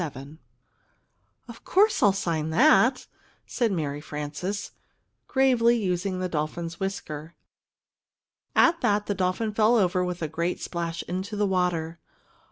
|++ "Of course, I'll sign that!" said Mary Frances, gravely using the dolphin's whisker. At that, the dolphin fell over with a great splash into the water.